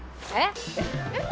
えっ！？